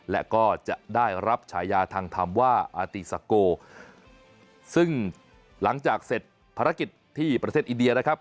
และก็จะได้รับฉายาทางธรรมว่าอาติซาโกซึ่งหลังจากเสร็จภารกิจที่ประเทศอินเดียนะครับ